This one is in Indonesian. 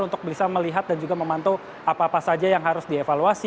untuk bisa melihat dan juga memantau apa apa saja yang harus dievaluasi